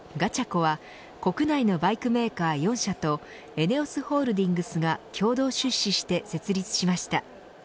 Ｇａｃｈａｃｏは国内のバイクメーカー４社とＥＮＥＯＳホールディングスが共同出資して設立しました。